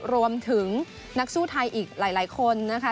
รวมถึงนักสู้ไทยอีกหลายคนนะคะ